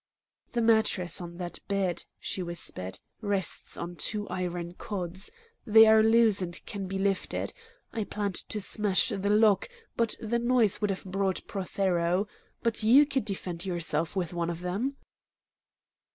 "The mattress on that bed," she whispered, "rests on two iron rods. They are loose and can be lifted. I planned to smash the lock, but the noise would have brought Prothero. But you could defend yourself with one of them."